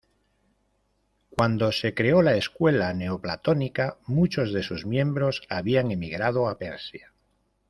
Cuando se creó la escuela neoplatónica, muchos de sus miembros habían emigrado a Persia.